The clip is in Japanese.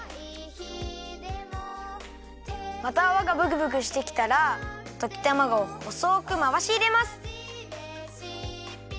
またあわがブクブクしてきたらときたまごをほそくまわしいれます。